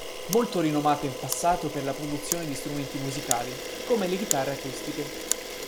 Molto rinomata in passato per la produzione di strumenti musicali, come le chitarre acustiche.